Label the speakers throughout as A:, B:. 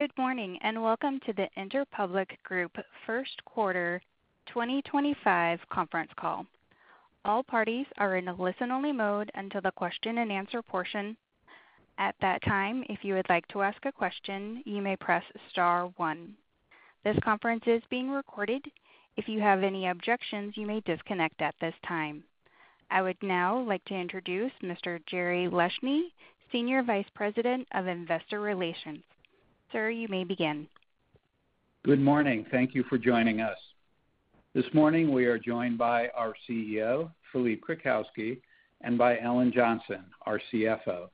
A: Good morning and welcome to the Interpublic Group First Quarter 2025 Conference Call. All parties are in a listen-only mode until the question and answer portion. At that time, if you would like to ask a question, you may press star one. This conference is being recorded. If you have any objections, you may disconnect at this time. I would now like to introduce Mr. Jerome Leshne, Senior Vice President of Investor Relations. Sir, you may begin.
B: Good morning. Thank you for joining us. This morning, we are joined by our CEO, Philippe Krakowsky, and by Ellen Johnson, our CFO.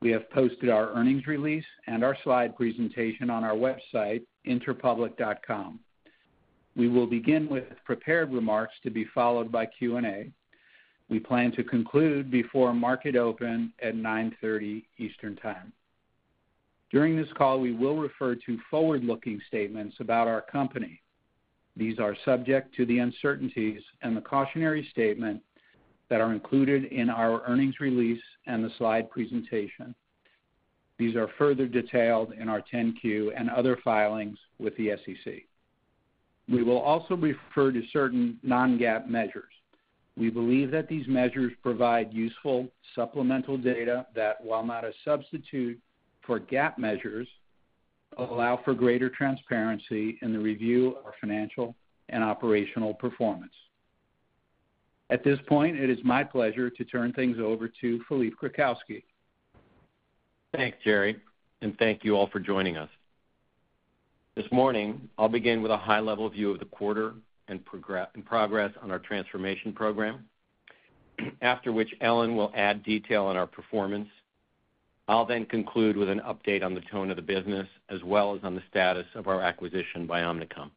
B: We have posted our earnings release and our slide presentation on our website, interpublic.com. We will begin with prepared remarks to be followed by Q and A. We plan to conclude before market open at 9:30 A.M. Eastern Time. During this call, we will refer to forward-looking statements about our company. These are subject to the uncertainties and the cautionary statement that are included in our earnings release and the slide presentation. These are further detailed in our 10-Q and other filings with the SEC. We will also refer to certain non-GAAP measures. We believe that these measures provide useful supplemental data that, while not a substitute for GAAP measures, allow for greater transparency in the review of financial and operational performance.At this point, it is my pleasure to turn things over to Philippe Krakowsky.
C: Thanks, Jerry, and thank you all for joining us. This morning, I'll begin with a high-level view of the quarter and progress on our transformation program, after which Ellen will add detail on our performance. I'll then conclude with an update on the tone of the business, as well as on the status of our acquisition by Omnicom.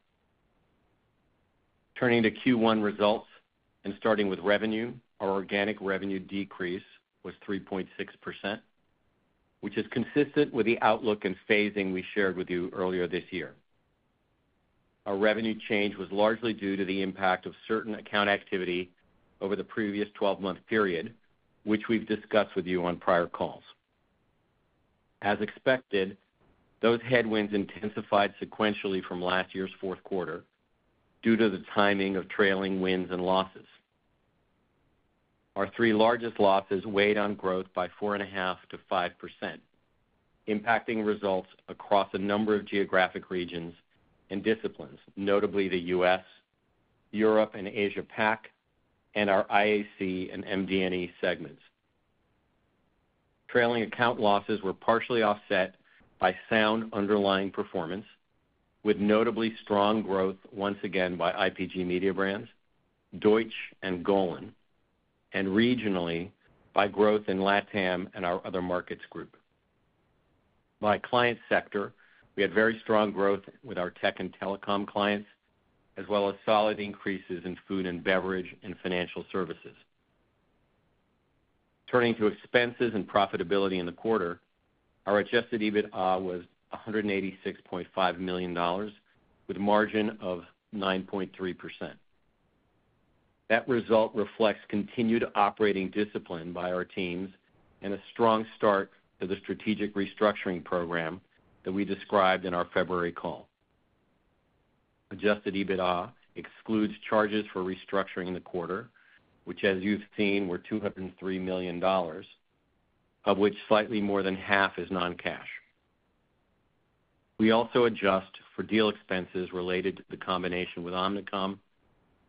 C: Turning to Q1 results and starting with revenue, our organic revenue decrease was 3.6%, which is consistent with the outlook and phasing we shared with you earlier this year. Our revenue change was largely due to the impact of certain account activity over the previous 12-month period, which we've discussed with you on prior calls. As expected, those headwinds intensified sequentially from last year's fourth quarter due to the timing of trailing wins and losses. Our three largest losses weighed on growth by 4.5% to 5%, impacting results across a number of geographic regions and disciplines, notably the U.S., Europe, and Asia-Pac, and our IAC and MD&E segments. Trailing account losses were partially offset by sound underlying performance, with notably strong growth once again by IPG Mediabrands, Deutsch, and Golin, and regionally by growth in LATAM and our other markets group. By client sector, we had very strong growth with our tech and telecom clients, as well as solid increases in food and beverage and financial services. Turning to expenses and profitability in the quarter, our adjusted EBITDA was $186.5 million, with a margin of 9.3%. That result reflects continued operating discipline by our teams and a strong start to the strategic restructuring program that we described in our February call. Adjusted EBITDA excludes charges for restructuring in the quarter, which, as you've seen, were $203 million, of which slightly more than half is non-cash. We also adjust for deal expenses related to the combination with Omnicom,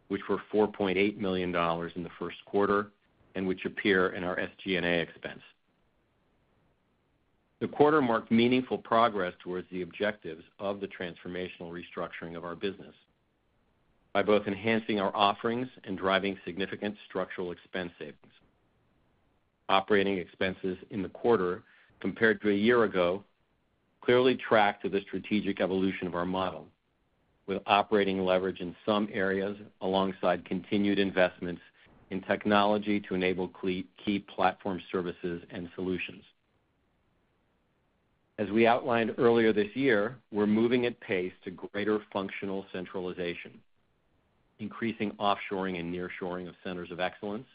C: which were $4.8 million in the first quarter and which appear in our SG&A expense. The quarter marked meaningful progress towards the objectives of the transformational restructuring of our business by both enhancing our offerings and driving significant structural expense savings. Operating expenses in the quarter, compared to a year ago, clearly tracked to the strategic evolution of our model, with operating leverage in some areas alongside continued investments in technology to enable key platform services and solutions. As we outlined earlier this year, we're moving at pace to greater functional centralization, increasing offshoring and nearshoring of centers of excellence,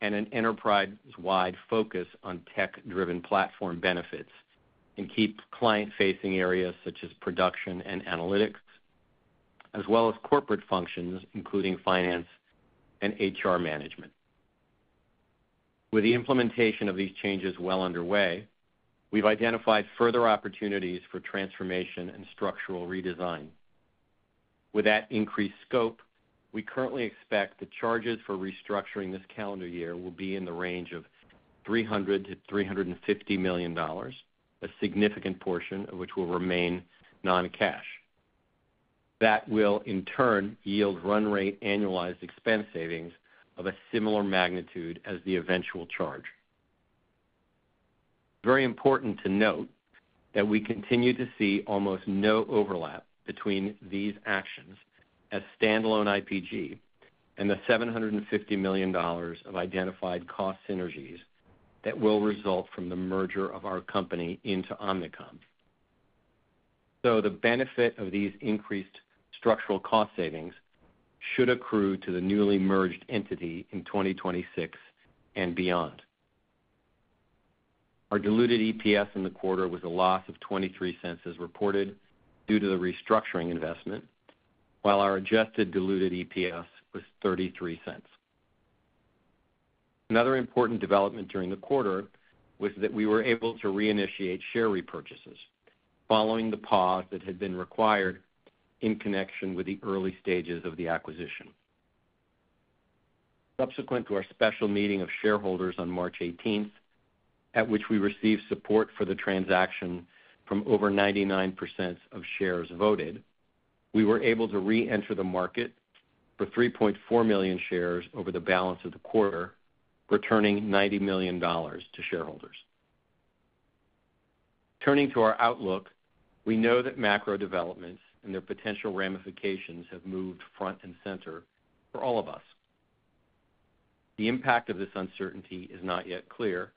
C: and an enterprise-wide focus on tech-driven platform benefits and keep client-facing areas such as production and analytics, as well as corporate functions, including finance and HR management. With the implementation of these changes well underway, we've identified further opportunities for transformation and structural redesign. With that increased scope, we currently expect the charges for restructuring this calendar year will be in the range of $300 to $350 million, a significant portion of which will remain non-cash. That will, in turn, yield run-rate annualized expense savings of a similar magnitude as the eventual charge. Very important to note that we continue to see almost no overlap between these actions as standalone IPG and the $750 million of identified cost synergies that will result from the merger of our company into Omnicom. The benefit of these increased structural cost savings should accrue to the newly merged entity in 2026 and beyond. Our diluted EPS in the quarter was a loss of $0.23 as reported due to the restructuring investment, while our adjusted diluted EPS was $0.33. Another important development during the quarter was that we were able to reinitiate share repurchases following the pause that had been required in connection with the early stages of the acquisition. Subsequent to our special meeting of shareholders on March 18th, at which we received support for the transaction from over 99% of shares voted, we were able to re-enter the market for 3.4 million shares over the balance of the quarter, returning $90 million to shareholders. Turning to our outlook, we know that macro developments and their potential ramifications have moved front and center for all of us. The impact of this uncertainty is not yet clear,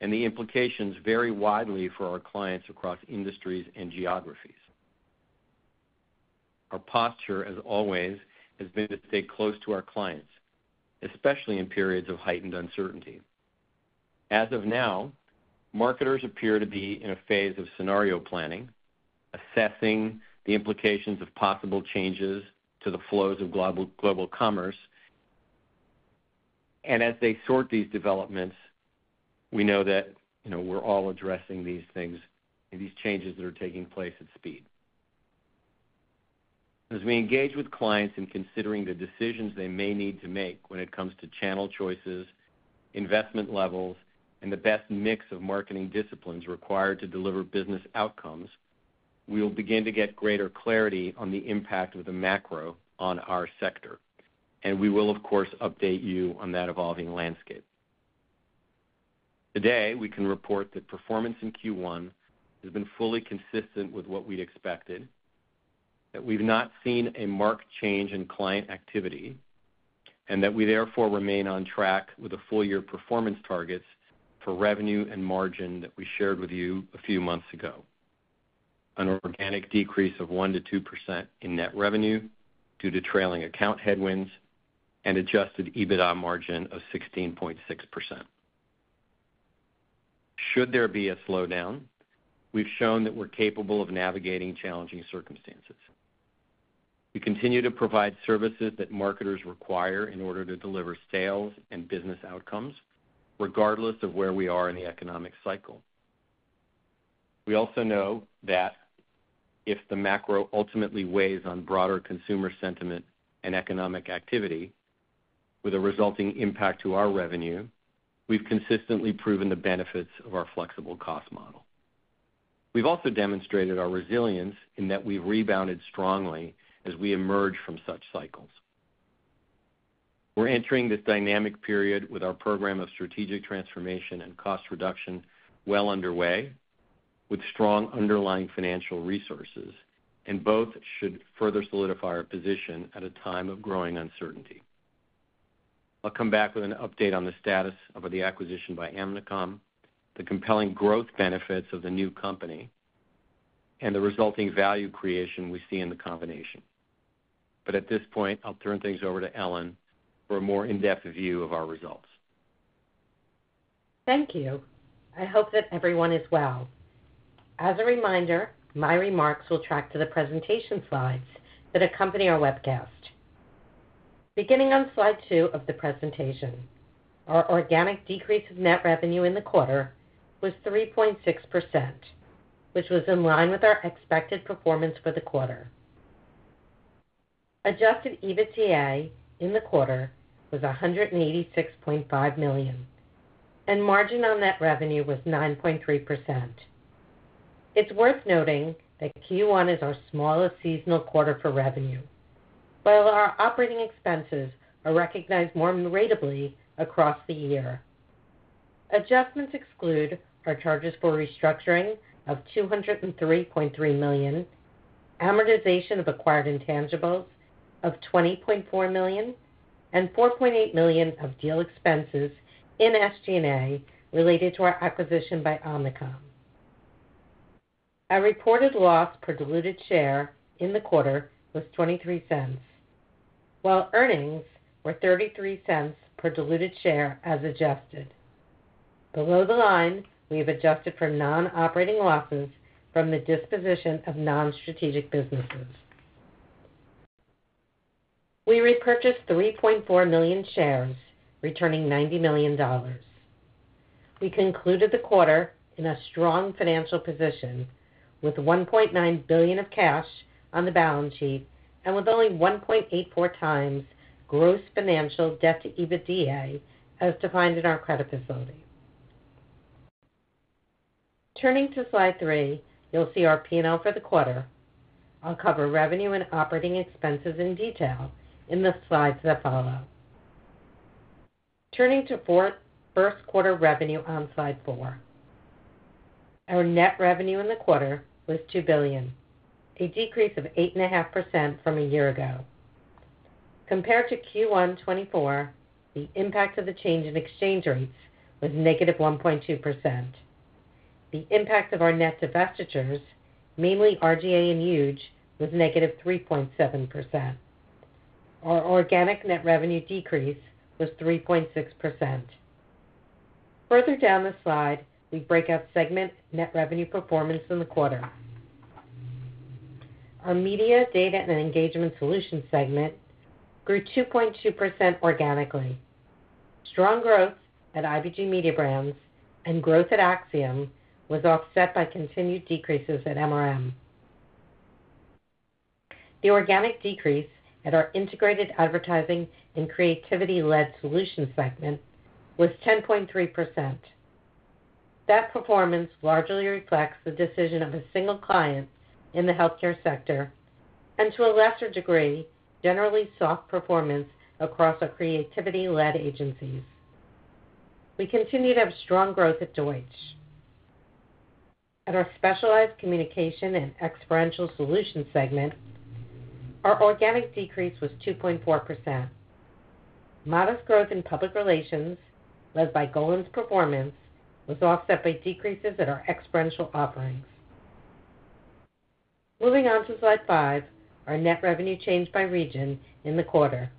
C: and the implications vary widely for our clients across industries and geographies. Our posture, as always, has been to stay close to our clients, especially in periods of heightened uncertainty. As of now, marketers appear to be in a phase of scenario planning, assessing the implications of possible changes to the flows of global commerce. As they sort these developments, we know that we're all addressing these things and these changes that are taking place at speed. As we engage with clients in considering the decisions they may need to make when it comes to channel choices, investment levels, and the best mix of marketing disciplines required to deliver business outcomes, we will begin to get greater clarity on the impact of the macro on our sector. We will, of course, update you on that evolving landscape. Today, we can report that performance in Q1 has been fully consistent with what we'd expected, that we've not seen a marked change in client activity, and that we therefore remain on track with the full-year performance targets for revenue and margin that we shared with you a few months ago, an organic decrease of 1% to 2% in net revenue due to trailing account headwinds and adjusted EBITDA margin of 16.6%. Should there be a slowdown, we've shown that we're capable of navigating challenging circumstances. We continue to provide services that marketers require in order to deliver sales and business outcomes, regardless of where we are in the economic cycle. We also know that if the macro ultimately weighs on broader consumer sentiment and economic activity with a resulting impact to our revenue, we've consistently proven the benefits of our flexible cost model. We've also demonstrated our resilience in that we've rebounded strongly as we emerge from such cycles. We're entering this dynamic period with our program of strategic transformation and cost reduction well underway, with strong underlying financial resources, and both should further solidify our position at a time of growing uncertainty. I will come back with an update on the status of the acquisition by Omnicom, the compelling growth benefits of the new company, and the resulting value creation we see in the combination. At this point, I will turn things over to Ellen for a more in-depth view of our results.
D: Thank you. I hope that everyone is well. As a reminder, my remarks will track to the presentation slides that accompany our webcast. Beginning on slide two of the presentation, our organic decrease of net revenue in the quarter was 3.6%, which was in line with our expected performance for the quarter. Adjusted EBITDA in the quarter was $186.5 million, and margin on net revenue was 9.3%. It's worth noting that Q1 is our smallest seasonal quarter for revenue, while our operating expenses are recognized more readily across the year. Adjustments exclude our charges for restructuring of $203.3 million, amortization of acquired intangibles of $20.4 million, and $4.8 million of deal expenses in SG&A related to our acquisition by Omnicom. Our reported loss per diluted share in the quarter was $0.23, while earnings were $0.33 per diluted share as adjusted. Below the line, we've adjusted for non-operating losses from the disposition of non-strategic businesses. We repurchased 3.4 million shares, returning $90 million. We concluded the quarter in a strong financial position with $1.9 billion of cash on the balance sheet and with only 1.84 times gross financial debt to EBITDA as defined in our credit facility. Turning to slide three, you'll see our P&L for the quarter. I'll cover revenue and operating expenses in detail in the slides that follow. Turning to first quarter revenue on slide four, our net revenue in the quarter was $2 billion, a decrease of 8.5% from a year ago. Compared to Q1 2024, the impact of the change in exchange rates was negative 1.2%. The impact of our net divestitures, mainly R/GA and Huge, was negative 3.7%. Our organic net revenue decrease was 3.6%. Further down the slide, we break out segment net revenue performance in the quarter. Our media, data, and engagement solution segment grew 2.2% organically. Strong growth at IPG Mediabrands and growth at Acxiom was offset by continued decreases at MRM. The organic decrease at our integrated advertising and creativity-led solution segment was 10.3%. That performance largely reflects the decision of a single client in the healthcare sector and, to a lesser degree, generally soft performance across our creativity-led agencies. We continue to have strong growth at Deutsch. At our specialized communication and experiential solution segment, our organic decrease was 2.4%. Modest growth in public relations led by Golin's performance was offset by decreases in our experiential offerings. Moving on to slide five, our net revenue changed by region in the quarter.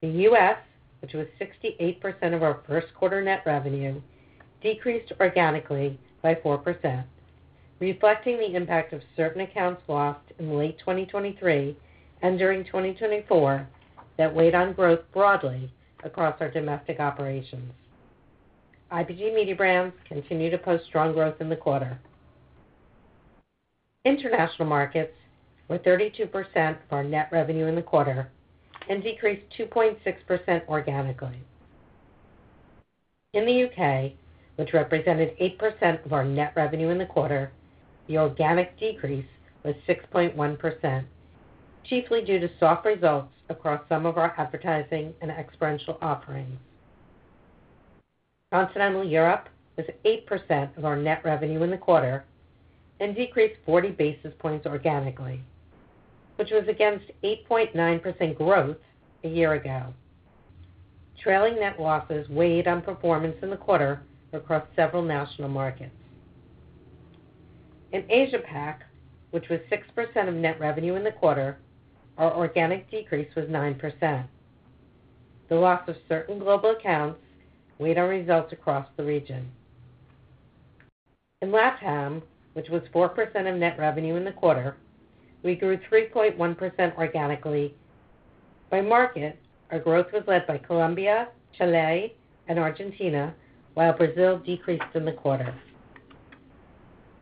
D: The U.S., which was 68% of our first quarter net revenue, decreased organically by 4%, reflecting the impact of certain accounts lost in late 2023 and during 2024 that weighed on growth broadly across our domestic operations. IPG Mediabrands continued to post strong growth in the quarter. International markets were 32% of our net revenue in the quarter and decreased 2.6% organically. In the U.K., which represented 8% of our net revenue in the quarter, the organic decrease was 6.1%, chiefly due to soft results across some of our advertising and experiential offerings. Continental Europe was 8% of our net revenue in the quarter and decreased 40 basis points organically, which was against 8.9% growth a year ago. Trailing net losses weighed on performance in the quarter across several national markets. In Asia-Pac, which was 6% of net revenue in the quarter, our organic decrease was 9%. The loss of certain global accounts weighed on results across the region. In LATAM, which was 4% of net revenue in the quarter, we grew 3.1% organically. By market, our growth was led by Colombia, Chile, and Argentina, while Brazil decreased in the quarter.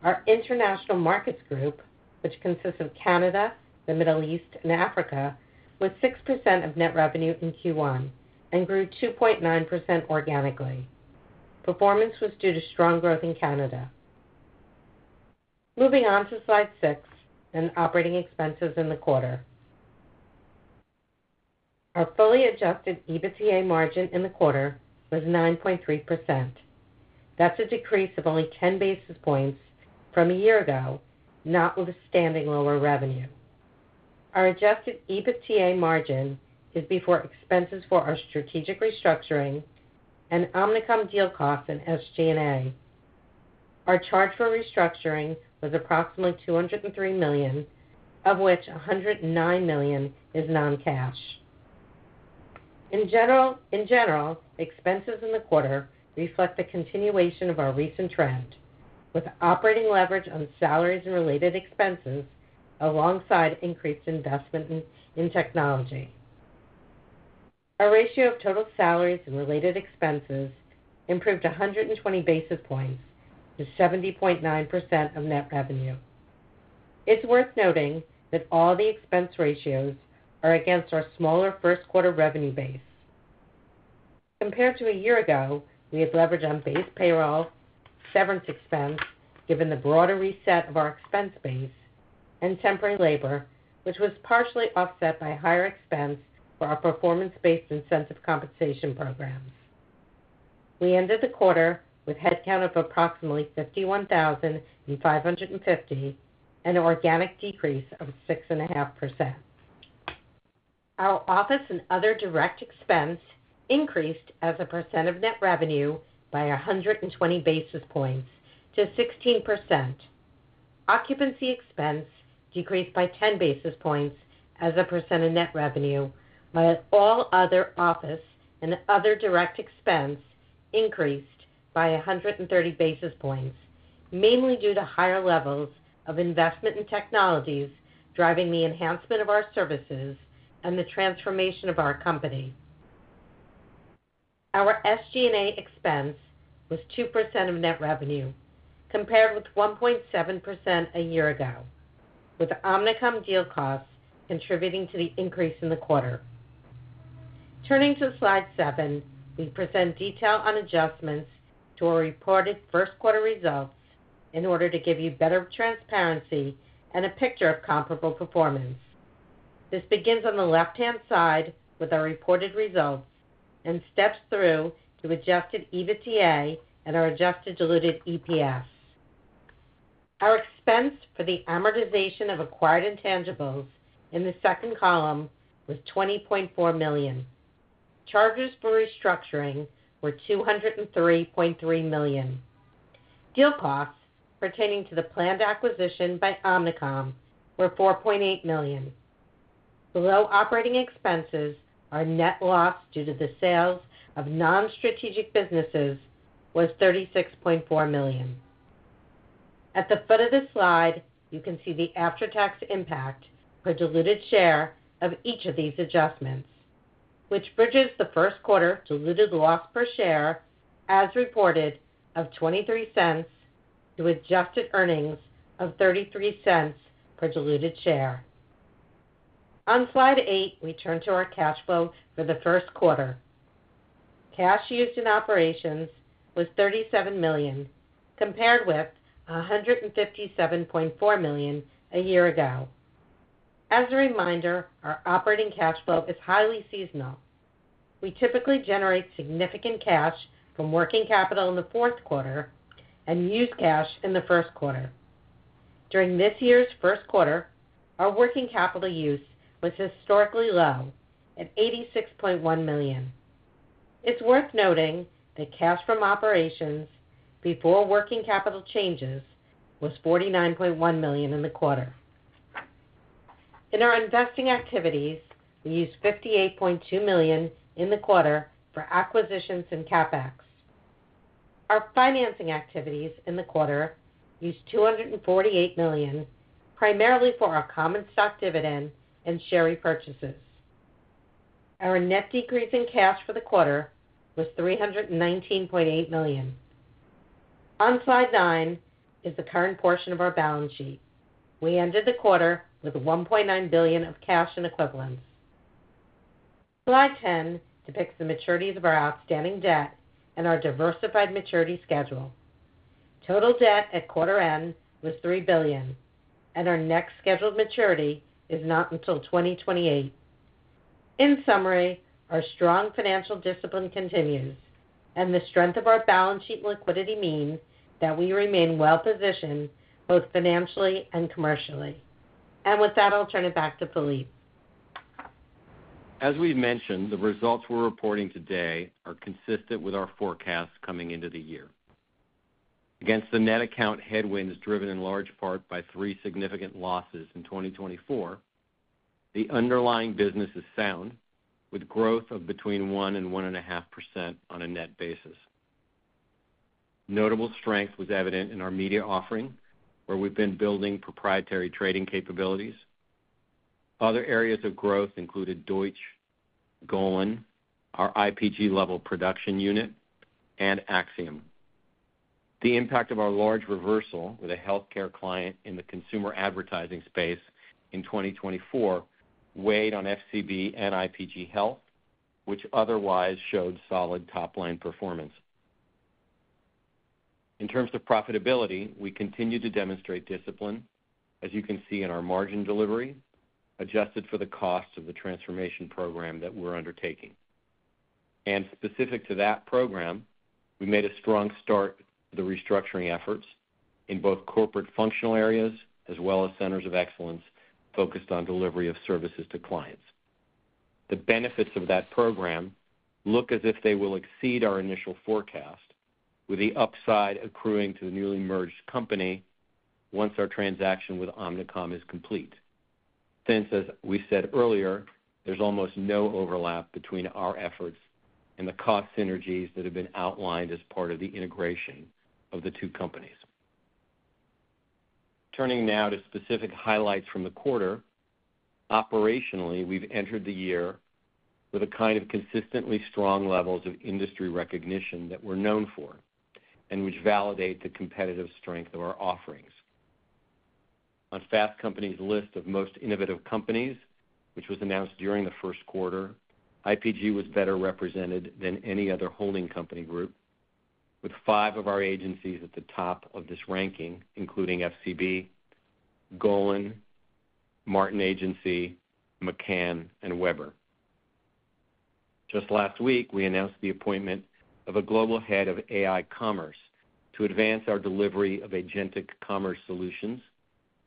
D: Our international markets group, which consists of Canada, the Middle East, and Africa, was 6% of net revenue in Q1 and grew 2.9% organically. Performance was due to strong growth in Canada. Moving on to slide six and operating expenses in the quarter. Our fully adjusted EBITDA margin in the quarter was 9.3%. That's a decrease of only 10 basis points from a year ago, notwithstanding lower revenue. Our adjusted EBITDA margin is before expenses for our strategic restructuring and Omnicom deal costs in SG&A. Our charge for restructuring was approximately $203 million, of which $109 million is non-cash. In general, expenses in the quarter reflect the continuation of our recent trend, with operating leverage on salaries and related expenses alongside increased investment in technology. Our ratio of total salaries and related expenses improved 120 basis points to 70.9% of net revenue. It's worth noting that all the expense ratios are against our smaller first quarter revenue base. Compared to a year ago, we had leverage on base payroll, severance expense given the broader reset of our expense base, and temporary labor, which was partially offset by higher expense for our performance-based incentive compensation programs. We ended the quarter with headcount of approximately 51,550 and an organic decrease of 6.5%. Our office and other direct expense increased as a percent of net revenue by 120 basis points to 16%. Occupancy expense decreased by 10 basis points as a percent of net revenue, while all other office and other direct expense increased by 130 basis points, mainly due to higher levels of investment in technologies driving the enhancement of our services and the transformation of our company. Our SG&A expense was 2% of net revenue compared with 1.7% a year ago, with Omnicom deal costs contributing to the increase in the quarter. Turning to slide seven, we present detail on adjustments to our reported first quarter results in order to give you better transparency and a picture of comparable performance. This begins on the left-hand side with our reported results and steps through to adjusted EBITDA and our adjusted diluted EPS. Our expense for the amortization of acquired intangibles in the second column was $20.4 million. Charges for restructuring were $203.3 million. Deal costs pertaining to the planned acquisition by Omnicom were $4.8 million. Below operating expenses, our net loss due to the sales of non-strategic businesses was $36.4 million. At the foot of this slide, you can see the after-tax impact per diluted share of each of these adjustments, which bridges the first quarter diluted loss per share as reported of $0.23 to adjusted earnings of $0.33 per diluted share. On slide eight, we turn to our cash flow for the first quarter. Cash used in operations was $37 million compared with $157.4 million a year ago. As a reminder, our operating cash flow is highly seasonal. We typically generate significant cash from working capital in the fourth quarter and use cash in the first quarter. During this year's first quarter, our working capital use was historically low at $86.1 million. It's worth noting that cash from operations before working capital changes was $49.1 million in the quarter. In our investing activities, we used $58.2 million in the quarter for acquisitions and CapEx. Our financing activities in the quarter used $248 million, primarily for our common stock dividend and share repurchases. Our net decrease in cash for the quarter was $319.8 million. On slide nine is the current portion of our balance sheet. We ended the quarter with $1.9 billion of cash and equivalents. Slide 10 depicts the maturities of our outstanding debt and our diversified maturity schedule. Total debt at quarter end was $3 billion, and our next scheduled maturity is not until 2028. In summary, our strong financial discipline continues, and the strength of our balance sheet and liquidity means that we remain well-positioned both financially and commercially. With that, I'll turn it back to Philippe.
C: As we've mentioned, the results we're reporting today are consistent with our forecasts coming into the year. Against the net account headwinds driven in large part by three significant losses in 2024, the underlying business is sound, with growth of between 1% and 1.5% on a net basis. Notable strength was evident in our media offering, where we've been building proprietary trading capabilities. Other areas of growth included Deutsch, Golin, our IPG-level production unit, and Acxiom. The impact of our large reversal with a healthcare client in the consumer advertising space in 2024 weighed on FCB and IPG Health, which otherwise showed solid top-line performance. In terms of profitability, we continue to demonstrate discipline, as you can see in our margin delivery adjusted for the cost of the transformation program that we're undertaking. Specific to that program, we made a strong start to the restructuring efforts in both corporate functional areas as well as centers of excellence focused on delivery of services to clients. The benefits of that program look as if they will exceed our initial forecast, with the upside accruing to the newly merged company once our transaction with Omnicom is complete. Since, as we said earlier, there's almost no overlap between our efforts and the cost synergies that have been outlined as part of the integration of the two companies. Turning now to specific highlights from the quarter, operationally, we've entered the year with a kind of consistently strong levels of industry recognition that we're known for and which validate the competitive strength of our offerings. On Fast Company's list of most innovative companies, which was announced during the first quarter, IPG was better represented than any other holding company group, with five of our agencies at the top of this ranking, including FCB, Golin, Martin Agency, McCann, and Weber. Just last week, we announced the appointment of a global head of AI Commerce to advance our delivery of agentic commerce solutions,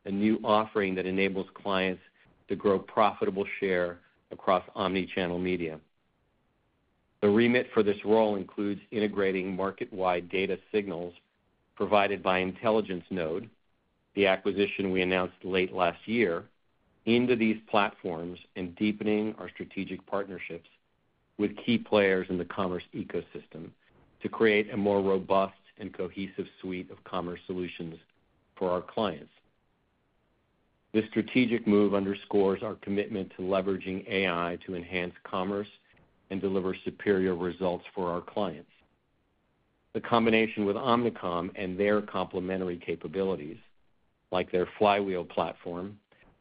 C: a new offering that enables clients to grow profitable share across omnichannel media. The remit for this role includes integrating market-wide data signals provided by Intelligence Node, the acquisition we announced late last year, into these platforms and deepening our strategic partnerships with key players in the commerce ecosystem to create a more robust and cohesive suite of commerce solutions for our clients. This strategic move underscores our commitment to leveraging AI to enhance commerce and deliver superior results for our clients. The combination with Omnicom and their complementary capabilities, like their Flywheel platform,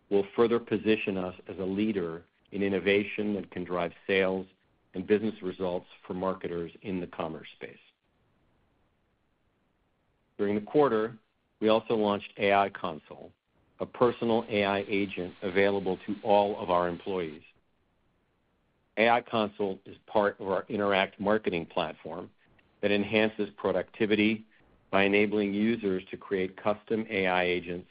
C: will further position us as a leader in innovation that can drive sales and business results for marketers in the commerce space. During the quarter, we also launched AI Console, a personal AI agent available to all of our employees. AI Console is part of our Interact marketing platform that enhances productivity by enabling users to create custom AI agents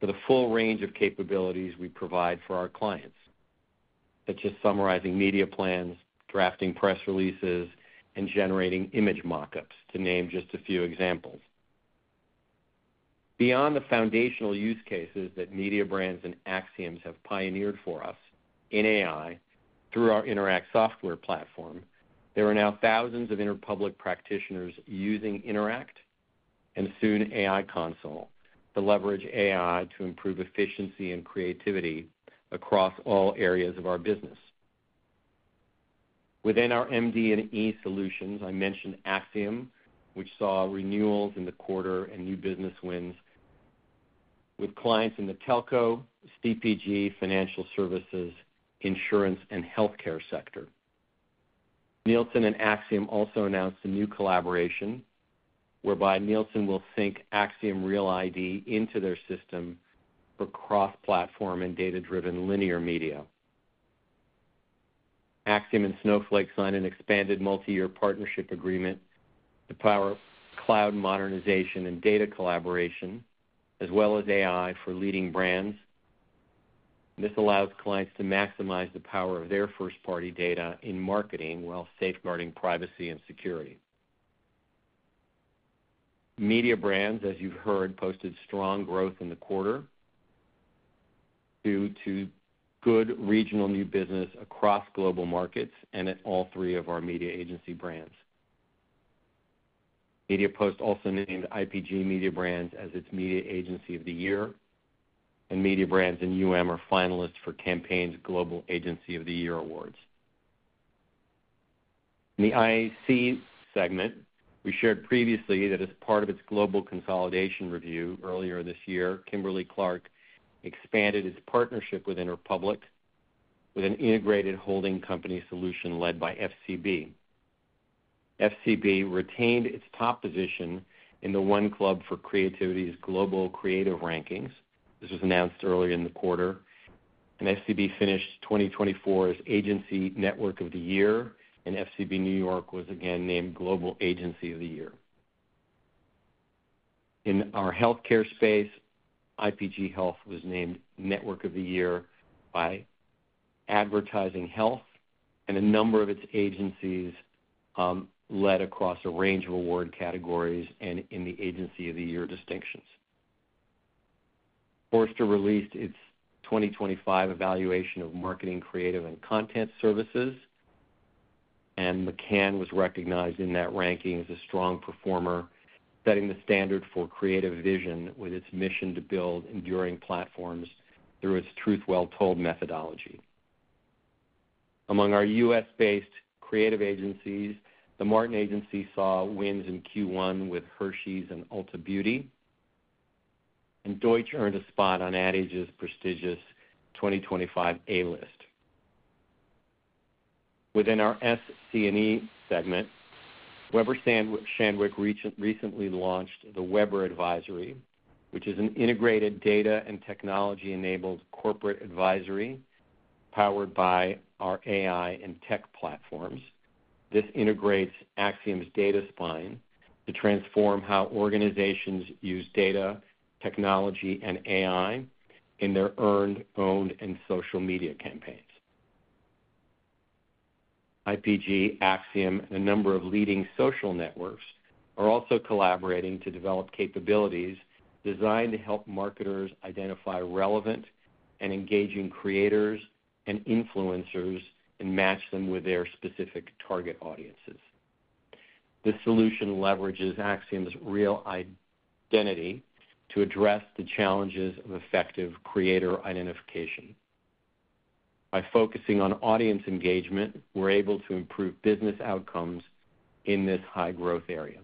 C: for the full range of capabilities we provide for our clients. That is just summarizing media plans, drafting press releases, and generating image mockups, to name just a few examples. Beyond the foundational use cases that Media Brands and Acxiom have pioneered for us in AI through our Interact software platform, there are now thousands of Interpublic practitioners using Interact and soon AI Console to leverage AI to improve efficiency and creativity across all areas of our business. Within our MD&E solutions, I mentioned Axiom, which saw renewals in the quarter and new business wins with clients in the Telco, CPG, financial services, insurance, and healthcare sector. Nielsen and Acxiom also announced a new collaboration whereby Nielsen will sync Acxiom Real ID into their system for cross-platform and data-driven linear media. Acxiom and Snowflake signed an expanded multi-year partnership agreement to power cloud modernization and data collaboration, as well as AI for leading brands. This allows clients to maximize the power of their first-party data in marketing while safeguarding privacy and security. Mediabrands, as you've heard, posted strong growth in the quarter due to good regional new business across global markets and at all three of our media agency brands. Media Post also named IPG Mediabrands as its Media Agency of the Year, and Mediabrands and are finalists for Campaign's Global Agency of the Year Awards. In the IC segment, we shared previously that as part of its global consolidation review earlier this year, Kimberly-Clark expanded its partnership with Interpublic with an integrated holding company solution led by FCB. FCB retained its top position in the One Club for Creativity's global creative rankings. This was announced earlier in the quarter, and FCB finished 2024 as Agency Network of the Year, and FCB New York was again named Global Agency of the Year. In our healthcare space, IPG Health was named Network of the Year by Advertising Health, and a number of its agencies led across a range of award categories and in the Agency of the Year distinctions. Forrester released its 2025 evaluation of marketing creative and content services, and McCann was recognized in that ranking as a strong performer, setting the standard for creative vision with its mission to build enduring platforms through its truth well-told methodology. Among our US-based creative agencies, the Martin Agency saw wins in Q1 with Hershey's and Ulta Beauty, and Deutsch earned a spot on Ad Age's prestigious 2025 A-list. Within our SC&E segment, Weber Shandwick recently launched the Weber Advisory, which is an integrated data and technology-enabled corporate advisory powered by our AI and tech platforms. This integrates Acxiom's data spine to transform how organizations use data, technology, and AI in their earned, owned, and social media campaigns. IPG, Acxiom, and a number of leading social networks are also collaborating to develop capabilities designed to help marketers identify relevant and engaging creators and influencers and match them with their specific target audiences. This solution leveragesAcxiom's real identity to address the challenges of effective creator identification. By focusing on audience engagement, we're able to improve business outcomes in this high-growth area.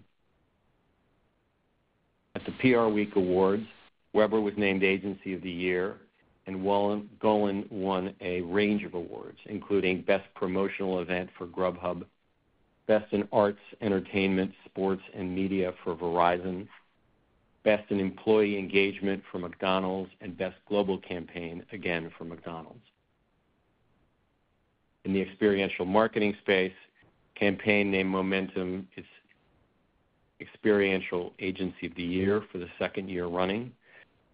C: At the PR Week Awards, Weber was named Agency of the Year, and Golin won a range of awards, including Best Promotional Event for Grubhub, Best in Arts, Entertainment, Sports, and Media for Verizon, Best in Employee Engagement for McDonald's, and Best Global Campaign, again for McDonald's. In the experiential marketing space, Campaign named Momentum its Experiential Agency of the Year for the second year running.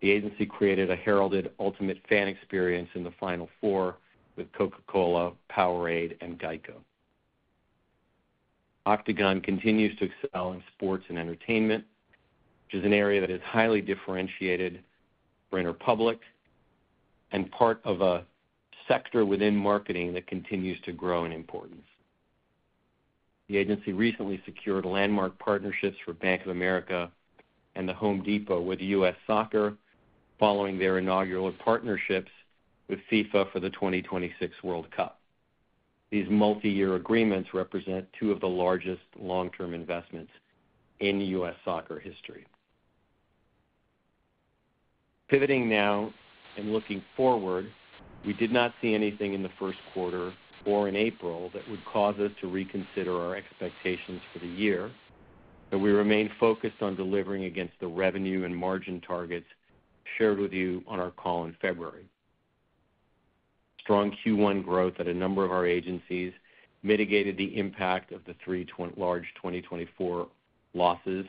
C: The agency created a heralded ultimate fan experience in the Final Four with Coca-Cola, Powerade, and Geico. Octagon continues to excel in sports and entertainment, which is an area that is highly differentiated for Interpublic and part of a sector within marketing that continues to grow in importance. The agency recently secured landmark partnerships for Bank of America and The Home Depot with US Soccer following their inaugural partnerships with FIFA for the 2026 World Cup. These multi-year agreements represent two of the largest long-term investments in US soccer history. Pivoting now and looking forward, we did not see anything in the first quarter or in April that would cause us to reconsider our expectations for the year, but we remain focused on delivering against the revenue and margin targets shared with you on our call in February. Strong Q1 growth at a number of our agencies mitigated the impact of the three large 2024 losses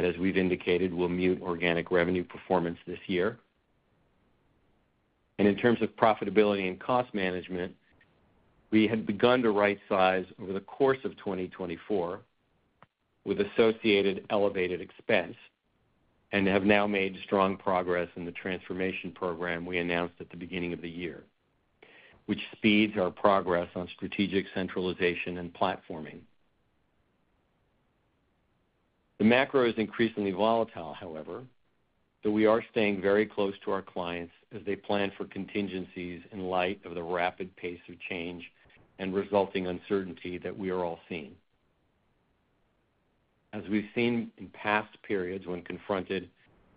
C: that, as we've indicated, will mute organic revenue performance this year. In terms of profitability and cost management, we had begun to right-size over the course of 2024 with associated elevated expense and have now made strong progress in the transformation program we announced at the beginning of the year, which speeds our progress on strategic centralization and platforming. The macro is increasingly volatile, however, though we are staying very close to our clients as they plan for contingencies in light of the rapid pace of change and resulting uncertainty that we are all seeing. As we've seen in past periods when confronted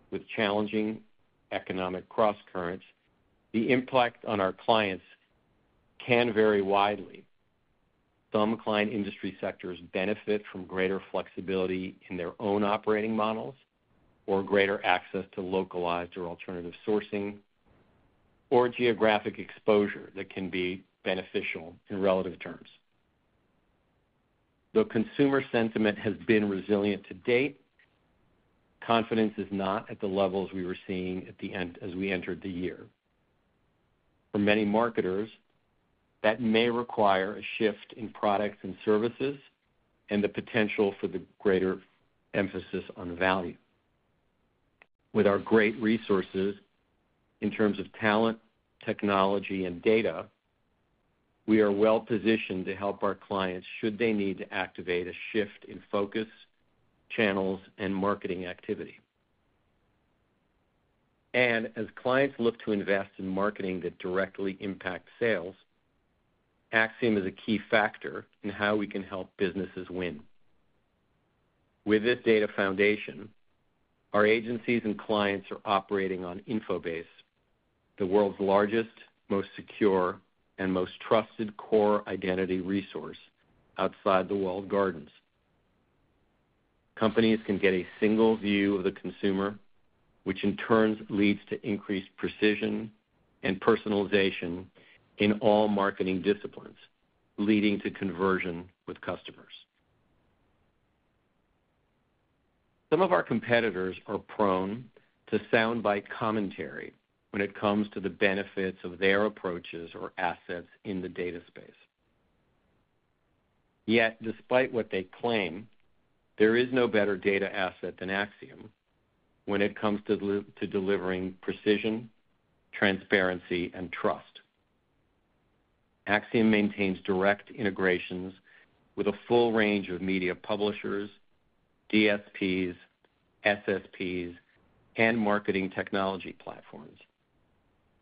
C: with challenging economic cross-currents, the impact on our clients can vary widely. Some client industry sectors benefit from greater flexibility in their own operating models or greater access to localized or alternative sourcing or geographic exposure that can be beneficial in relative terms. Though consumer sentiment has been resilient to date, confidence is not at the levels we were seeing as we entered the year. For many marketers, that may require a shift in products and services and the potential for the greater emphasis on value. With our great resources in terms of talent, technology, and data, we are well-positioned to help our clients should they need to activate a shift in focus, channels, and marketing activity. As clients look to invest in marketing that directly impacts sales, Acxiom is a key factor in how we can help businesses win. With this data foundation, our agencies and clients are operating on Infobase, the world's largest, most secure, and most trusted core identity resource outside the walled gardens. Companies can get a single view of the consumer, which in turn leads to increased precision and personalization in all marketing disciplines, leading to conversion with customers. Some of our competitors are prone to soundbite commentary when it comes to the benefits of their approaches or assets in the data space. Yet, despite what they claim, there is no better data asset than Acxiom when it comes to delivering precision, transparency, and trust. Acxiom maintains direct integrations with a full range of media publishers, DSPs, SSPs, and marketing technology platforms,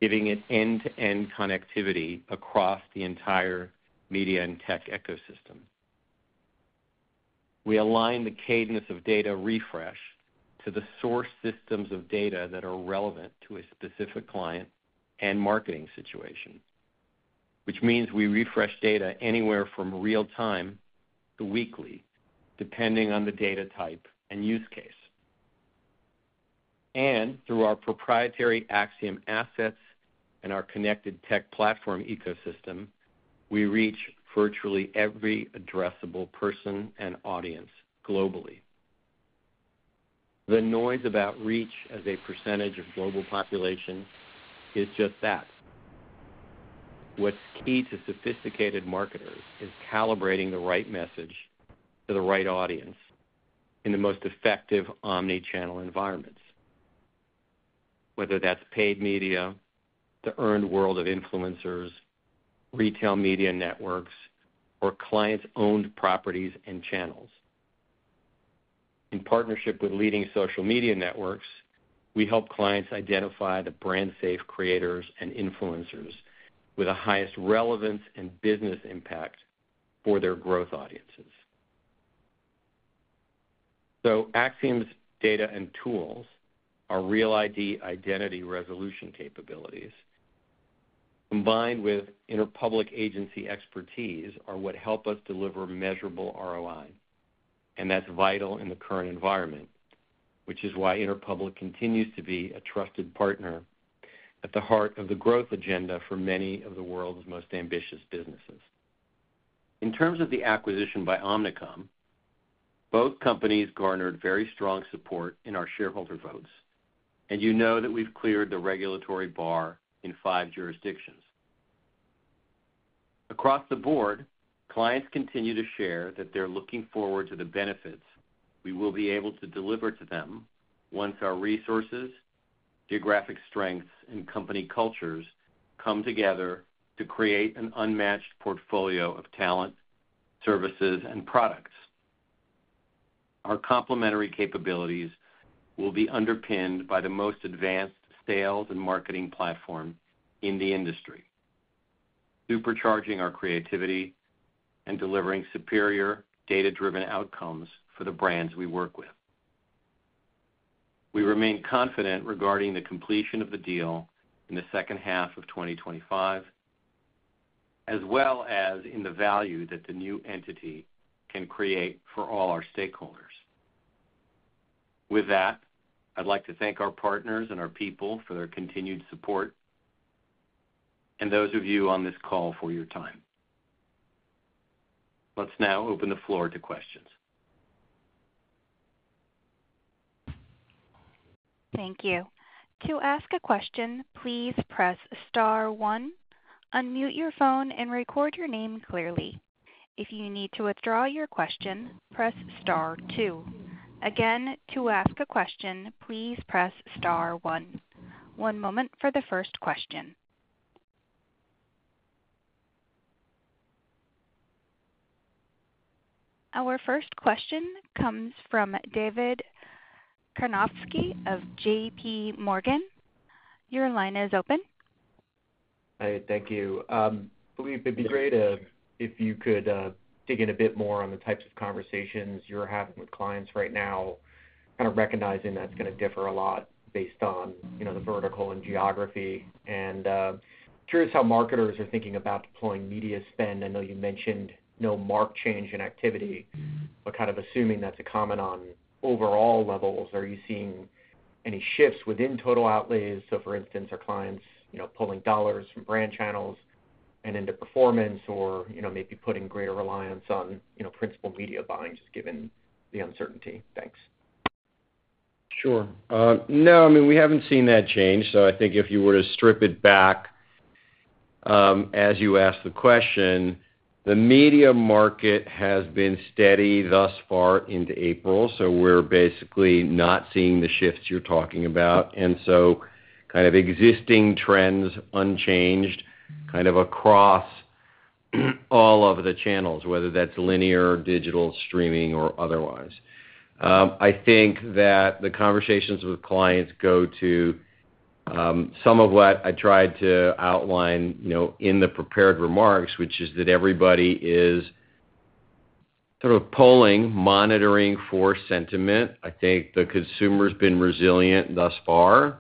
C: giving it end-to-end connectivity across the entire media and tech ecosystem. We align the cadence of data refresh to the source systems of data that are relevant to a specific client and marketing situation, which means we refresh data anywhere from real-time to weekly, depending on the data type and use case. Through our proprietary Acxiom assets and our connected tech platform ecosystem, we reach virtually every addressable person and audience globally. The noise about reach as a percentage of global population is just that. What is key to sophisticated marketers is calibrating the right message to the right audience in the most effective omnichannel environments, whether that is paid media, the earned world of influencers, retail media networks, or clients' owned properties and channels. In partnership with leading social media networks, we help clients identify the brand-safe creators and influencers with the highest relevance and business impact for their growth audiences. Acxiom's data and tools are real-ide identity resolution capabilities. Combined with Interpublic agency expertise are what help us deliver measurable ROI, and that's vital in the current environment, which is why Interpublic continues to be a trusted partner at the heart of the growth agenda for many of the world's most ambitious businesses. In terms of the acquisition by Omnicom, both companies garnered very strong support in our shareholder votes, and you know that we've cleared the regulatory bar in five jurisdictions. Across the board, clients continue to share that they're looking forward to the benefits we will be able to deliver to them once our resources, geographic strengths, and company cultures come together to create an unmatched portfolio of talent, services, and products. Our complementary capabilities will be underpinned by the most advanced sales and marketing platform in the industry, supercharging our creativity and delivering superior data-driven outcomes for the brands we work with. We remain confident regarding the completion of the deal in the second half of 2025, as well as in the value that the new entity can create for all our stakeholders. With that, I'd like to thank our partners and our people for their continued support and those of you on this call for your time. Let's now open the floor to questions.
A: Thank you. To ask a question, please press star one, unmute your phone, and record your name clearly. If you need to withdraw your question, press star two. Again, to ask a question, please press star one. One moment for the first question. Our first question comes from David Karnovsky of JPMorgan. Your line is open.
E: Hey, thank you. I believe it'd be great if you could dig in a bit more on the types of conversations you're having with clients right now, kind of recognizing that's going to differ a lot based on the vertical and geography. And curious how marketers are thinking about deploying media spend. I know you mentioned no marked change in activity, but kind of assuming that's a comment on overall levels, are you seeing any shifts within total outlays? For instance, are clients pulling dollars from brand channels and into performance or maybe putting greater reliance on principal media buying just given the uncertainty? Thanks.
C: Sure. No, I mean, we haven't seen that change. I think if you were to strip it back as you asked the question, the media market has been steady thus far into April, so we're basically not seeing the shifts you're talking about. Kind of existing trends unchanged across all of the channels, whether that's linear, digital, streaming, or otherwise. I think that the conversations with clients go to some of what I tried to outline in the prepared remarks, which is that everybody is sort of polling, monitoring for sentiment. I think the consumer has been resilient thus far.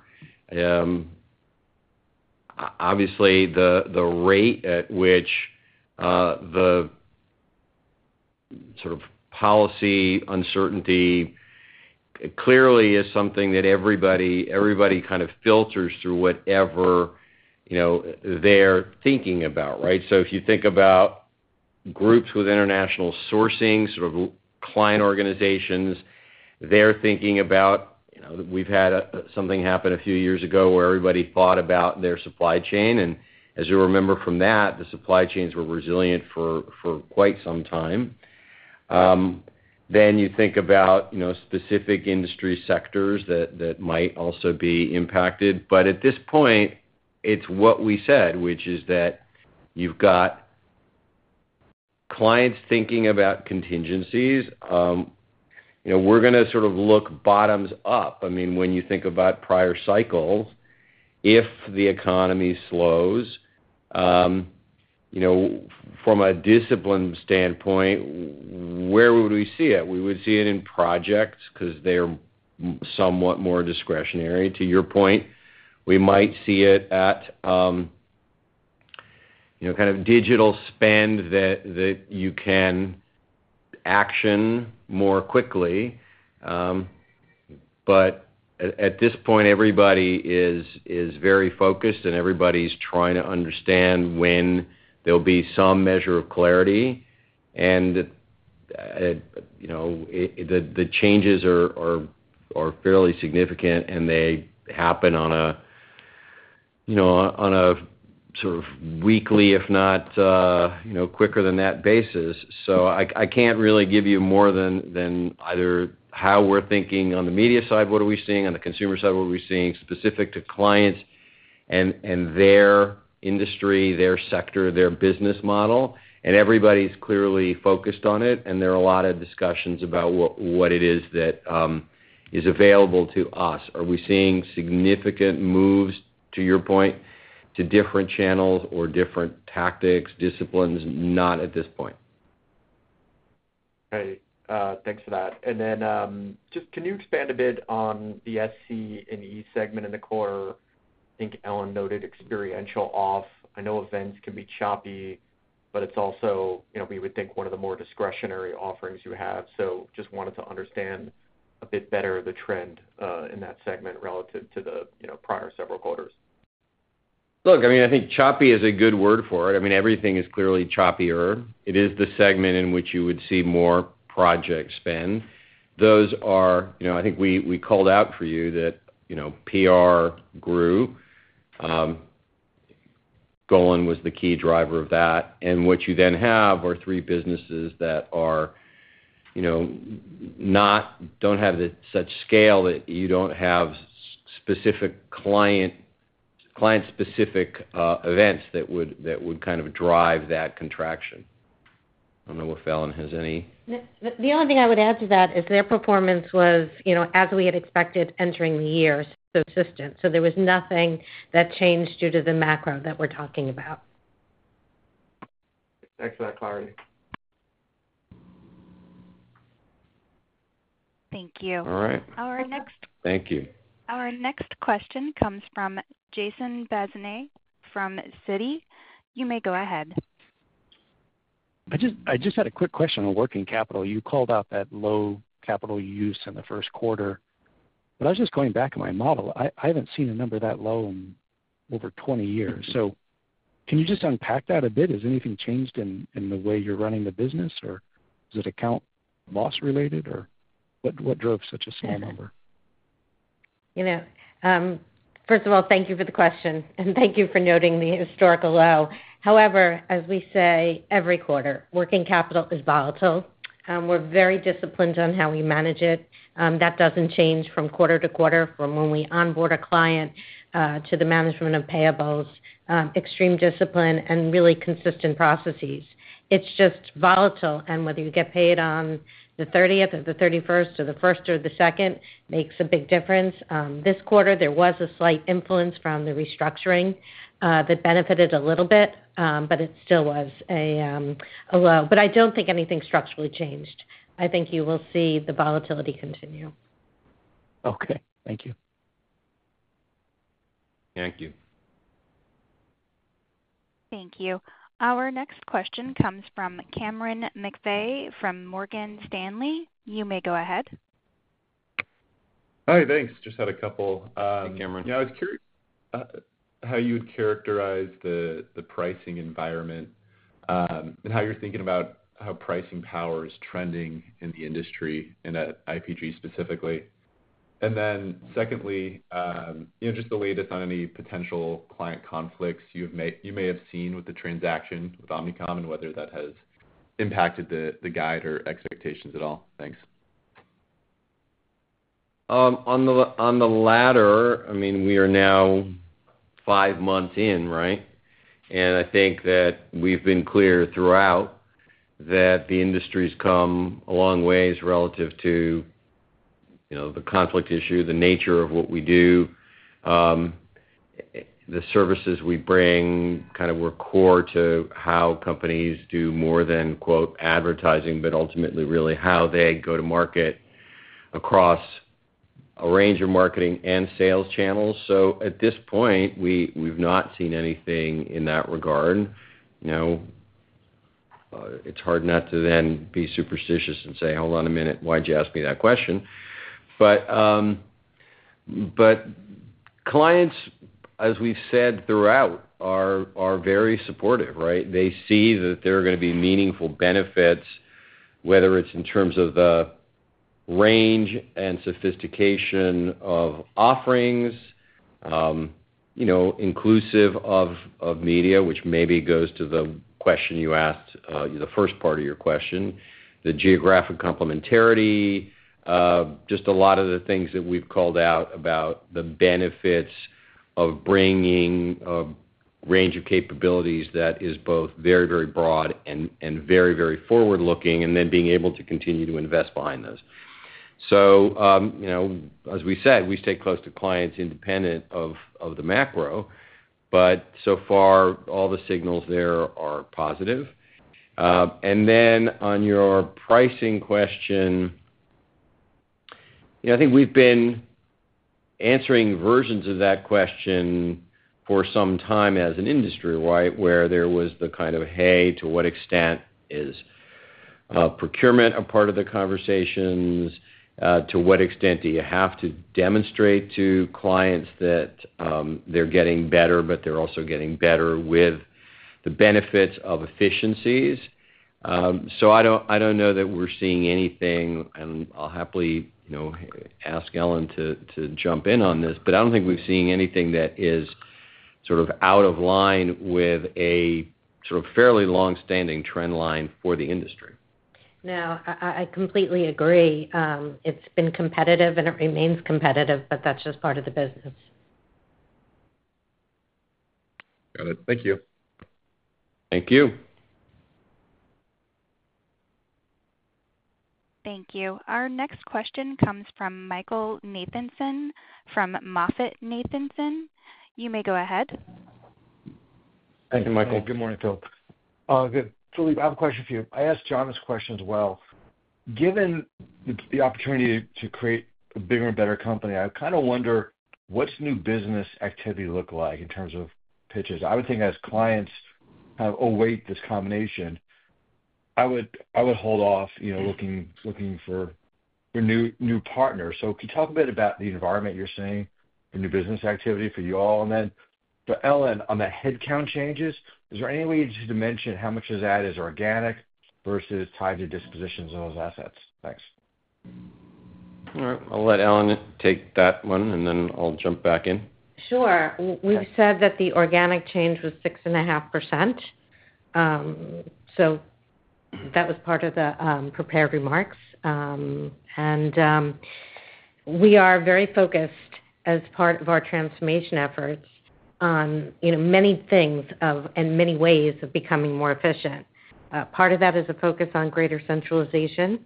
C: Obviously, the rate at which the sort of policy uncertainty clearly is something that everybody kind of filters through whatever they're thinking about, right? If you think about groups with international sourcing, sort of client organizations, they're thinking about we've had something happen a few years ago where everybody thought about their supply chain. As you remember from that, the supply chains were resilient for quite some time. You think about specific industry sectors that might also be impacted. At this point, it's what we said, which is that you've got clients thinking about contingencies. We're going to sort of look bottoms up. I mean, when you think about prior cycles, if the economy slows, from a discipline standpoint, where would we see it? We would see it in projects because they're somewhat more discretionary. To your point, we might see it at kind of digital spend that you can action more quickly. At this point, everybody is very focused, and everybody's trying to understand when there'll be some measure of clarity. The changes are fairly significant, and they happen on a sort of weekly, if not quicker than that basis. I can't really give you more than either how we're thinking on the media side, what are we seeing on the consumer side, what are we seeing specific to clients and their industry, their sector, their business model. Everybody's clearly focused on it, and there are a lot of discussions about what it is that is available to us. Are we seeing significant moves, to your point, to different channels or different tactics, disciplines? Not at this point.
E: Hey, thanks for that. Can you expand a bit on the SC and E segment in the core? I think Ellen noted experiential off. I know events can be choppy, but it's also we would think one of the more discretionary offerings you have. I just wanted to understand a bit better the trend in that segment relative to the prior several quarters.
C: Look, I mean, I think choppy is a good word for it. I mean, everything is clearly choppier. It is the segment in which you would see more project spend. Those are, I think we called out for you that PR grew. Golin was the key driver of that. What you then have are three businesses that do not have such scale that you do not have specific client-specific events that would kind of drive that contraction. I do not know if Ellen has any.
D: The only thing I would add to that is their performance was, as we had expected, entering the year is consistent. There was nothing that changed due to the macro that we are talking about.
E: Thanks for that clarity.
A: Thank you.
C: All right.
A: Our next.
C: Thank you.
A: Our next question comes from Jason Bazinet from Citi. You may go ahead.
F: I just had a quick question on working capital. You called out that low capital use in the first quarter. I was just going back to my model. I have not seen a number that low in over 20 years. Can you just unpack that a bit? Has anything changed in the way you are running the business, or is it account loss-related, or what drove such a small number?
D: First of all, thank you for the question, and thank you for noting the historical low. However, as we say every quarter, working capital is volatile. We are very disciplined on how we manage it. That does not change from quarter to quarter, from when we onboard a client to the management of payables, extreme discipline, and really consistent processes. It is just volatile. Whether you get paid on the 30th or the 31st or the 1st or the 2nd makes a big difference. This quarter, there was a slight influence from the restructuring that benefited a little bit, but it still was a low. I do not think anything structurally changed. I think you will see the volatility continue.
F: Okay. Thank you.
C: Thank you.
A: Thank you. Our next question comes from Cameron McVeigh from Morgan Stanley. You may go ahead.
G: Hi, thanks. Just had a couple.
C: Hey, Cameron.
G: Yeah, I was curious how you would characterize the pricing environment and how you are thinking about how pricing power is trending in the industry and at IPG specifically. Secondly, just the latest on any potential client conflicts you may have seen with the transaction with Omnicom and whether that has impacted the guide or expectations at all. Thanks.
C: On the latter, I mean, we are now five months in, right? I think that we've been clear throughout that the industry's come a long way relative to the conflict issue, the nature of what we do, the services we bring kind of were core to how companies do more than "advertising," but ultimately really how they go to market across a range of marketing and sales channels. At this point, we've not seen anything in that regard. It's hard not to then be superstitious and say, "Hold on a minute. Why did you ask me that question?" Clients, as we've said throughout, are very supportive, right? They see that there are going to be meaningful benefits, whether it's in terms of the range and sophistication of offerings, inclusive of media, which maybe goes to the question you asked, the first part of your question, the geographic complementarity, just a lot of the things that we've called out about the benefits of bringing a range of capabilities that is both very, very broad and very, very forward-looking, and then being able to continue to invest behind those. As we said, we stay close to clients independent of the macro. So far, all the signals there are positive. On your pricing question, I think we've been answering versions of that question for some time as an industry, right, where there was the kind of, "Hey, to what extent is procurement a part of the conversations? To what extent do you have to demonstrate to clients that they're getting better, but they're also getting better with the benefits of efficiencies? I don't know that we're seeing anything. I'll happily ask Ellen to jump in on this, but I don't think we've seen anything that is sort of out of line with a sort of fairly long-standing trend line for the industry.
D: No, I completely agree. It's been competitive, and it remains competitive, but that's just part of the business.
G: Got it. Thank you.
C: Thank you.
A: Thank you. Our next question comes from Michael Nathanson from MoffettNathanson. You may go ahead.
H: Thank you, Michael. Good morning, Philippe. I have a question for you. I asked Johnson questions as well. Given the opportunity to create a bigger and better company, I kind of wonder what's new business activity look like in terms of pitches. I would think as clients kind of await this combination, I would hold off looking for new partners. Can you talk a bit about the environment you're seeing, the new business activity for you all? For Ellen, on the headcount changes, is there any way you just mentioned how much of that is organic versus tied to dispositions of those assets? Thanks.
C: All right. I'll let Ellen take that one, and then I'll jump back in.
D: Sure. We've said that the organic change was 6.5%. That was part of the prepared remarks. We are very focused as part of our transformation efforts on many things and many ways of becoming more efficient. Part of that is a focus on greater centralization.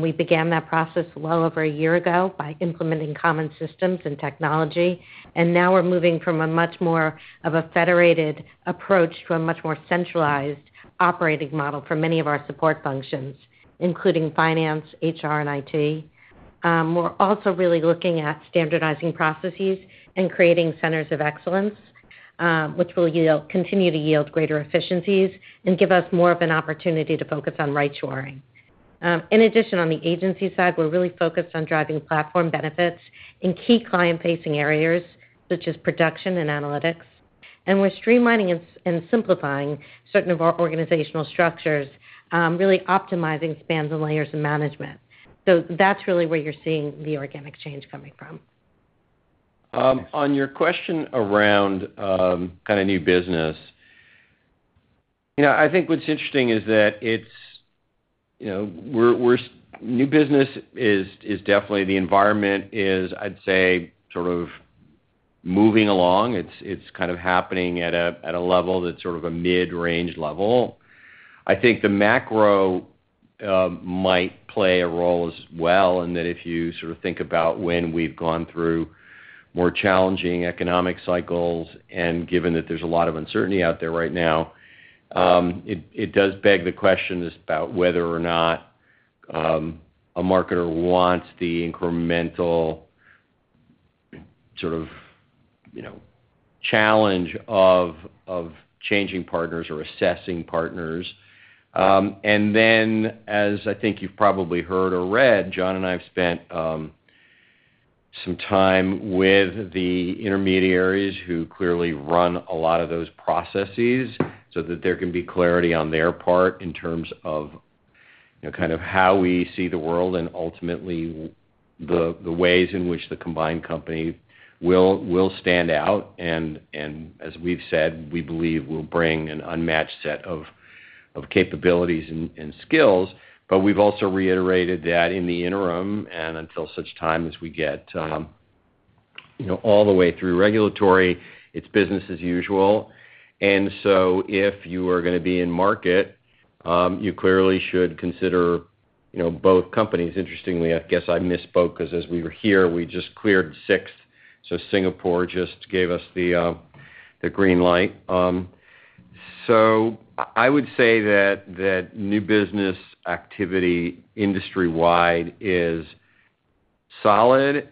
D: We began that process well over a year ago by implementing common systems and technology. We are moving from much more of a federated approach to a much more centralized operating model for many of our support functions, including finance, HR, and IT. We are also really looking at standardizing processes and creating centers of excellence, which will continue to yield greater efficiencies and give us more of an opportunity to focus on ride-sharing. In addition, on the agency side, we are really focused on driving platform benefits in key client-facing areas such as production and analytics. We are streamlining and simplifying certain of our organizational structures, really optimizing spans and layers of management. That is really where you are seeing the organic change coming from.
C: On your question around kind of new business, I think what is interesting is that new business is definitely the environment is, I would say, sort of moving along. It is kind of happening at a level that is sort of a mid-range level. I think the macro might play a role as well in that if you sort of think about when we've gone through more challenging economic cycles, and given that there's a lot of uncertainty out there right now, it does beg the question about whether or not a marketer wants the incremental sort of challenge of changing partners or assessing partners. As I think you've probably heard or read, John and I have spent some time with the intermediaries who clearly run a lot of those processes so that there can be clarity on their part in terms of kind of how we see the world and ultimately the ways in which the combined company will stand out. As we've said, we believe we'll bring an unmatched set of capabilities and skills. We have also reiterated that in the interim and until such time as we get all the way through regulatory, it is business as usual. If you are going to be in market, you clearly should consider both companies. Interestingly, I guess I misspoke because as we were here, we just cleared the 6th. Singapore just gave us the green light. I would say that new business activity industry-wide is solid.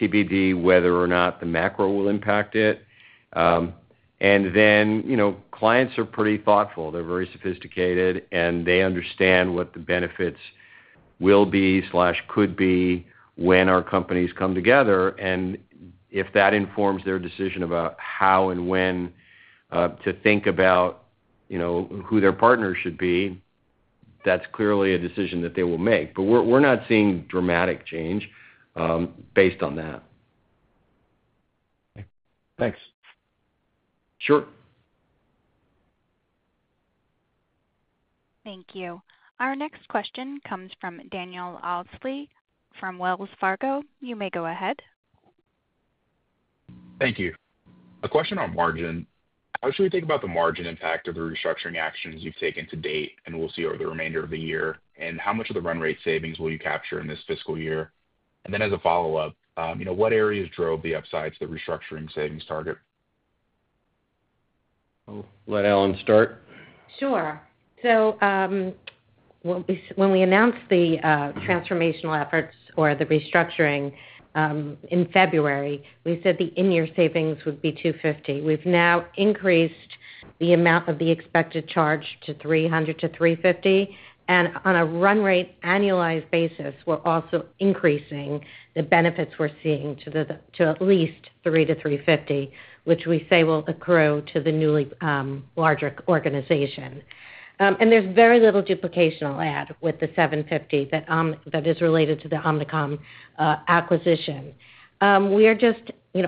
C: TBD whether or not the macro will impact it. Clients are pretty thoughtful. They are very sophisticated, and they understand what the benefits will be or could be when our companies come together. If that informs their decision about how and when to think about who their partners should be, that is clearly a decision that they will make. We are not seeing dramatic change based on that.
H: Thanks.
C: Sure.
A: Thank you. Our next question comes from Daniel Osley from Wells Fargo. You may go ahead.
I: Thank you. A question on margin. How should we think about the margin impact of the restructuring actions you've taken to date and will see over the remainder of the year? How much of the run rate savings will you capture in this fiscal year? As a follow-up, what areas drove the upsides to the restructuring savings target?
C: I'll let Ellen start.
D: Sure. When we announced the transformational efforts or the restructuring in February, we said the in-year savings would be $250 million. We've now increased the amount of the expected charge to $300 million to $350 million. On a run rate annualized basis, we're also increasing the benefits we're seeing to at least $300 million to $350 million, which we say will accrue to the newly larger organization. There is very little duplication, I'll add, with the 750 that is related to the Omnicom acquisition. We are just,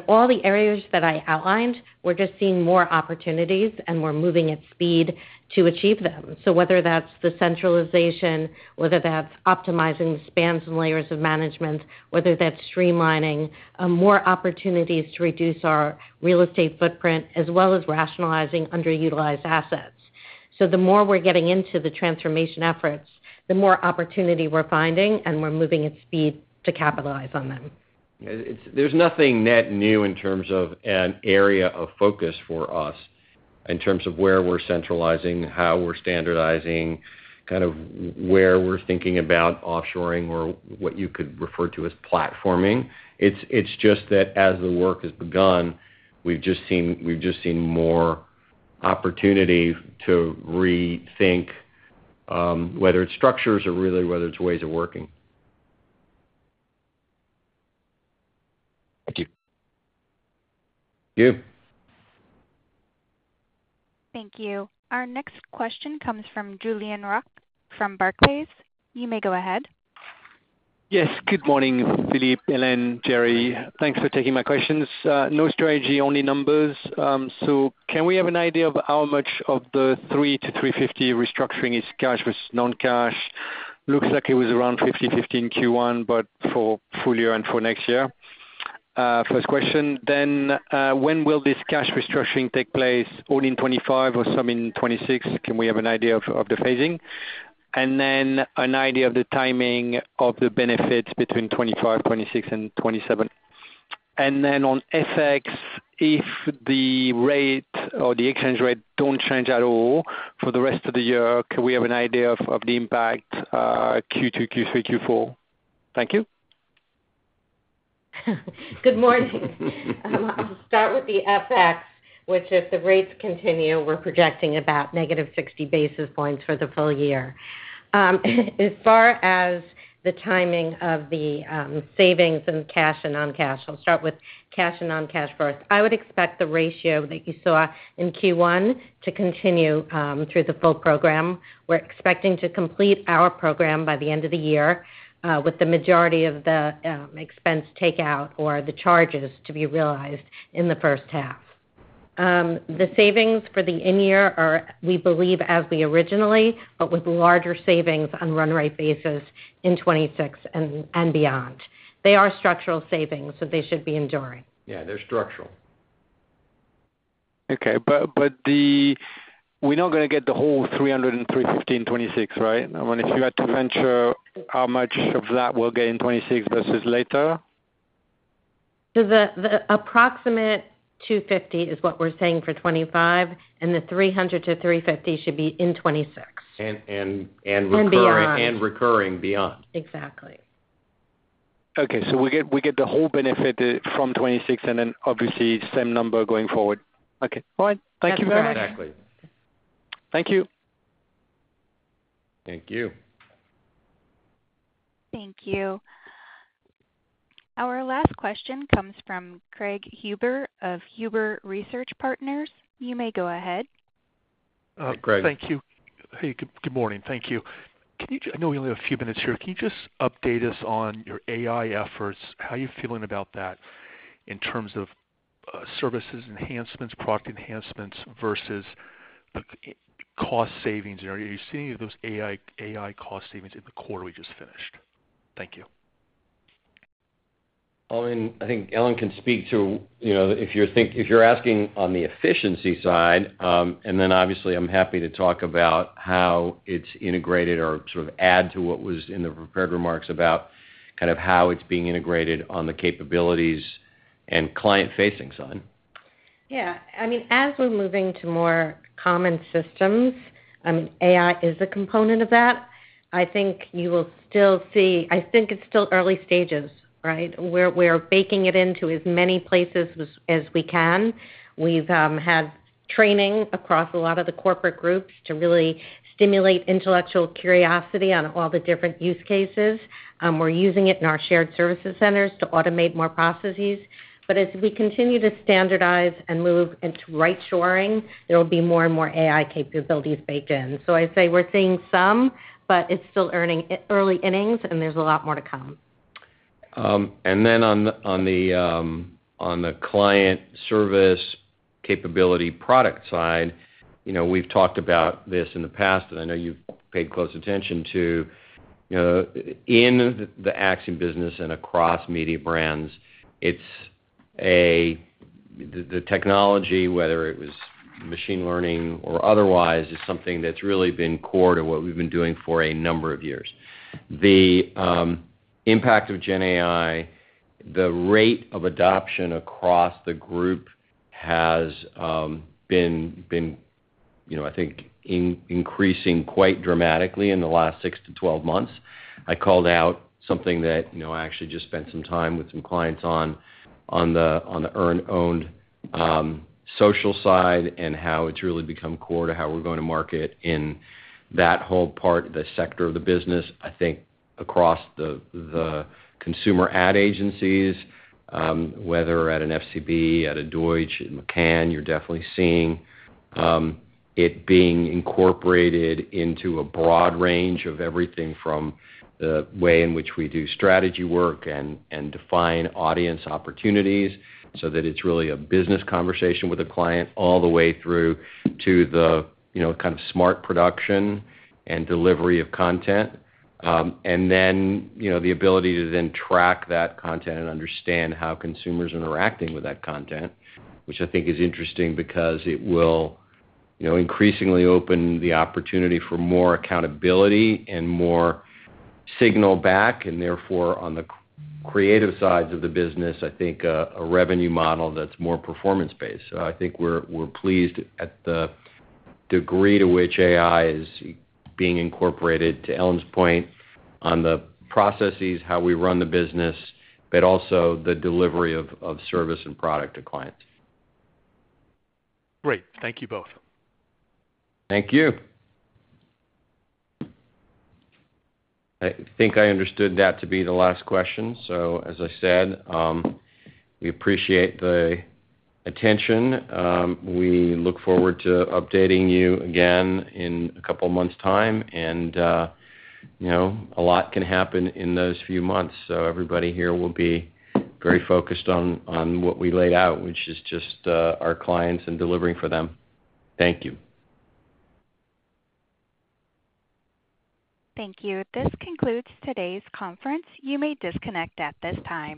D: all the areas that I outlined, we're just seeing more opportunities, and we're moving at speed to achieve them. Whether that's the centralization, whether that's optimizing the spans and layers of management, whether that's streamlining more opportunities to reduce our real estate footprint, as well as rationalizing underutilized assets. The more we're getting into the transformation efforts, the more opportunity we're finding, and we're moving at speed to capitalize on them.
C: There is nothing net new in terms of an area of focus for us in terms of where we're centralizing, how we're standardizing, kind of where we're thinking about offshoring or what you could refer to as platforming. It's just that as the work has begun, we've just seen more opportunity to rethink whether it's structures or really whether it's ways of working.
I: Thank you.
A: Thank you. Our next question comes from Julien Roch from Barclays. You may go ahead.
J: Yes. Good morning, Philippe, Ellen, Jerry. Thanks for taking my questions. No strategy, only numbers. Can we have an idea of how much of the $300 million to $350 million restructuring is cash versus non-cash? Looks like it was around 50/50 in Q1, but for full year and for next year. First question. When will this cash restructuring take place? All in 2025 or some in 2026? Can we have an idea of the phasing? An idea of the timing of the benefits between 2025, 2026, and 2027. If the rate or the exchange rate do not change at all for the rest of the year, can we have an idea of the impact Q2, Q3, Q4? Thank you.
D: Good morning. I'll start with the FX, which if the rates continue, we're projecting about negative 60 basis points for the full year. As far as the timing of the savings and cash and non-cash, I'll start with cash and non-cash growth. I would expect the ratio that you saw in Q1 to continue through the full program. We're expecting to complete our program by the end of the year with the majority of the expense takeout or the charges to be realized in the first half. The savings for the in-year are, we believe, as we originally, but with larger savings on run rate basis in 2026 and beyond. They are structural savings, so they should be enduring.
C: Yeah, they're structural.
J: Okay. But we're not going to get the whole $300 million to $350 million in 2026, right? I mean, if you had to venture how much of that we'll get in 2026 versus later?
D: The approximate $250 million is what we're seeing for 2025, and the $300 million to $350 million should be in 2026.
C: And recurring beyond.
D: Exactly.
J: Okay. So we get the whole benefit from 2026 and then obviously same number going forward. Okay. All right. Thank you very much.
C: Exactly.
J: Thank you.
C: Thank you.
A: Thank you. Our last question comes from Craig Huber of Huber Research Partners. You may go ahead.
K: Thank you. Good morning. Thank you. I know we only have a few minutes here. Can you just update us on your AI efforts? How are you feeling about that in terms of services enhancements, product enhancements versus the cost savings? Are you seeing those AI cost savings in the quarter we just finished? Thank you.
C: I mean, I think Ellen can speak to if you're asking on the efficiency side, and then obviously I'm happy to talk about how it's integrated or sort of add to what was in the prepared remarks about kind of how it's being integrated on the capabilities and client-facing side.
D: Yeah. I mean, as we're moving to more common systems, I mean, AI is a component of that. I think you will still see I think it's still early stages, right? We're baking it into as many places as we can. We've had training across a lot of the corporate groups to really stimulate intellectual curiosity on all the different use cases. We're using it in our shared services centers to automate more processes. As we continue to standardize and move into nearshoring, there will be more and more AI capabilities baked in. I say we're seeing some, but it's still early innings, and there's a lot more to come.
C: On the client service capability product side, we've talked about this in the past, and I know you've paid close attention to in the Acxiom business and across Mediabrands, the technology, whether it was machine learning or otherwise, is something that's really been core to what we've been doing for a number of years. The impact of GenAI, the rate of adoption across the group has been, I think, increasing quite dramatically in the last 6 to 12 months. I called out something that I actually just spent some time with some clients on the owned social side and how it's really become core to how we're going to market in that whole part, the sector of the business. I think across the consumer ad agencies, whether at an FCB, at a Deutsch, at McCann, you're definitely seeing it being incorporated into a broad range of everything from the way in which we do strategy work and define audience opportunities so that it's really a business conversation with a client all the way through to the kind of smart production and delivery of content. The ability to then track that content and understand how consumers are interacting with that content, which I think is interesting because it will increasingly open the opportunity for more accountability and more signal back. Therefore, on the creative sides of the business, I think a revenue model that's more performance-based. I think we're pleased at the degree to which AI is being incorporated, to Ellen's point, on the processes, how we run the business, but also the delivery of service and product to clients.
K: Great. Thank you both.
C: Thank you. I think I understood that to be the last question. As I said, we appreciate the attention. We look forward to updating you again in a couple of months' time. A lot can happen in those few months. Everybody here will be very focused on what we laid out, which is just our clients and delivering for them. Thank you.
A: Thank you. This concludes today's conference. You may disconnect at this time.